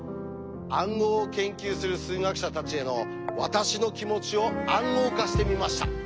暗号を研究する数学者たちへの私の気持ちを暗号化してみました。